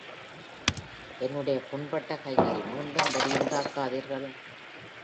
என்னுடைய புண்பட்ட கையில் மீண்டும் வலி உண்டாக்காதீர்கள்.